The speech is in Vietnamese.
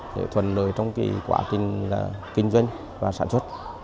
để thuần lời trong quá trình kinh doanh và sản xuất